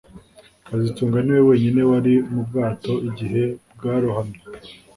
kazitunga niwe wenyine wari mu bwato igihe bwarohamye